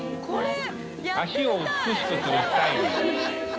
脚を美しくするスタイリー。